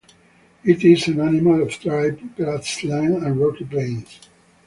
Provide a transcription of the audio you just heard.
It is an animal of dry grassland and rocky plains.